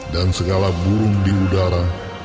dan segala burung di udara